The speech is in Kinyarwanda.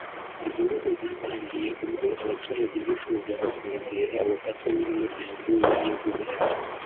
Imvururu zatangiye ubwo abaturage bifuzaga kongera ubufatanye n’Umuryango w’Ubumwe bw’u Burayi